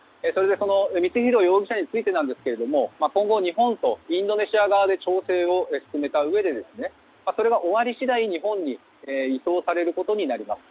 光弘容疑者についてですが今後、日本とインドネシア側で調整を進めたうえでそれが終わり次第日本に移送されることになります。